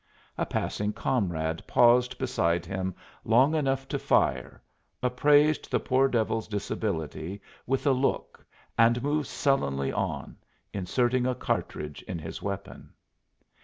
A passing comrade paused beside him long enough to fire, appraised the poor devil's disability with a look and moved sullenly on, inserting a cartridge in his weapon.